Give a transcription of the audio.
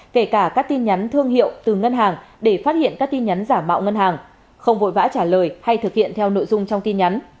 kể cả các tin nhắn thương hiệu từ ngân hàng để phát hiện các tin nhắn giả mạo ngân hàng không vội vã trả lời hay thực hiện theo nội dung trong tin nhắn